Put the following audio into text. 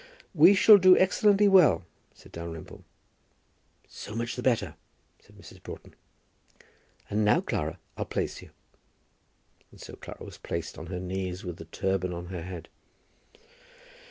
"We shall do excellently well," said Dalrymple. "So much the better," said Mrs. Broughton; "and now, Clara, I'll place you." And so Clara was placed on her knees, with the turban on her head.